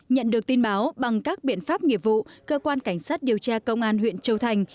nhận được tin báo bằng các biện pháp nghiệp vụ cơ quan cảnh sát điều tra công an huyện châu thành